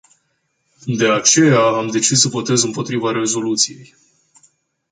De aceea, am decis să votez împotriva rezoluției.